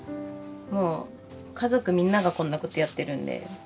もう家族みんながこんなことやってるんで。